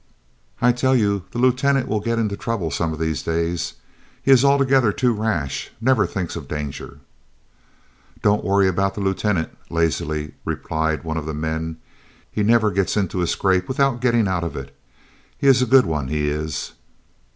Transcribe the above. "I tell you the Lieutenant will get into trouble some of these days. He is altogether too rash; never thinks of danger." "Don't worry about the Lieutenant," lazily replied one of the men; "he never gets into a scrape without getting out of it. He is a good one, he is."